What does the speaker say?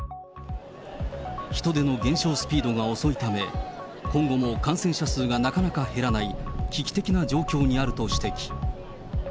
人出の減少スピードが遅いため、今後も感染者数がなかなか減らない危機的な状況にあると指摘。